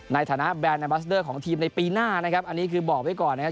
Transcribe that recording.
ในฐานะแบรนดในบัสเดอร์ของทีมในปีหน้านะครับอันนี้คือบอกไว้ก่อนนะครับ